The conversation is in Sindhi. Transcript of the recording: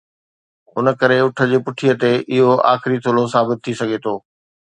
ان ڪري اُٺ جي پٺيءَ تي اهو آخري ٿلهو ثابت ٿي سگهي ٿو.